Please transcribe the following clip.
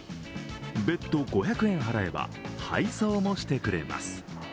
別途５００円払えば配送もしてくれます。